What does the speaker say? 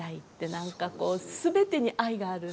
何かこう全てに愛があるんですね。